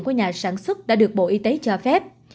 của nhà sản xuất đã được bộ y tế cho phép